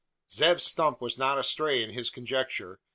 Zeb Stump was not astray in his conjecture.